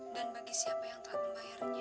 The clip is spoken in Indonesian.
dan bagi siapa yang telah membayarnya